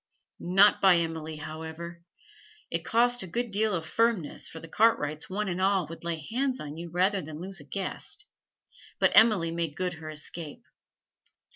Not by Emily, however. It cost a good deal of firmness, for the Cartwrights one and all would lay hands on you rather than lose a guest; but Emily made good her escape.